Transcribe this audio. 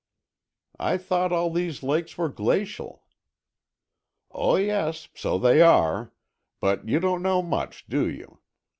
"I thought all these lakes were glacial." "Oh, yes, so they are. But you don't know much, do you?